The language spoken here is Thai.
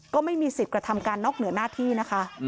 ก็ไม่มีสิทธิ์กระทำการนอกเหนือหน้าที่นะคะ